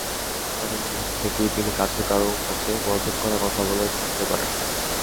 তখন থেকেই তিনি কাছের কারও কাছে পদত্যাগ করার কথা বলে থাকতে পারেন।